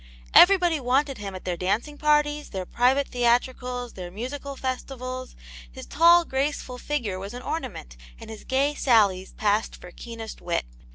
Everybody Avanted him at their dancing parties, their private theatricals, their musical festivals ; his tall, graceful figure was an ornament, and his gay sallies passed for keenest wit.